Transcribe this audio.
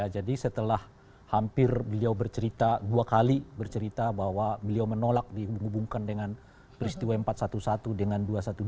jadi setelah hampir beliau bercerita dua kali bercerita bahwa beliau menolak dihubungkan dengan peristiwa empat sebelas dengan dua dua belas